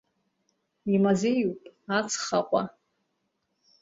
Имазеиуп ацхаҟәа.